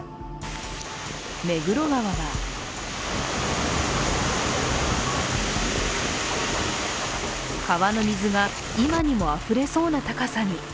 目黒川は川の水が今にもあふれそうな高さに。